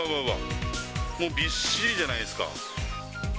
もう、びっしりじゃないですか。